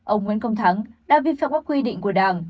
ông nguyễn công thắng đã vi phạm các quy định của đảng